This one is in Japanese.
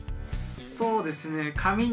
そうですね。